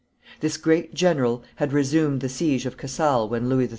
This great general had resumed the siege of Casale when Louis XIII.